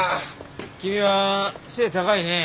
君は背高いね。